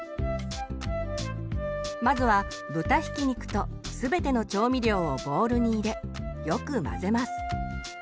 まずは豚ひき肉と全ての調味料をボウルに入れよく混ぜます。